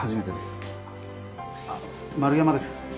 あっ丸山です。